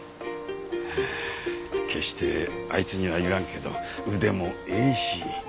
決してあいつには言わんけど腕もええし努力もしとる。